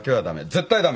絶対駄目。